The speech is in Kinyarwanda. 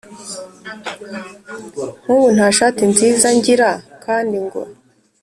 Nkubu ntashati nziza ngira kandi ngo